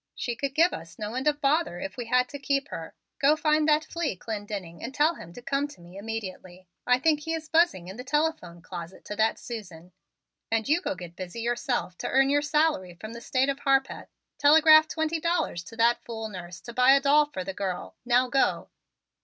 She could give us no end of bother if we had to keep her. Go find that flea, Clendenning, and tell him to come to me immediately; I think he is buzzing in the telephone closet to that Susan. And you go get busy yourself to earn your salary from the State of Harpeth. Telegraph twenty dollars to that fool nurse to buy a doll for the girl. Now go!"